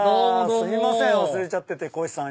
すいません忘れちゃっててこひさん